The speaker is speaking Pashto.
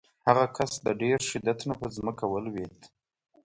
هغه کس د ډېر شدت نه په ځمکه ولویېد.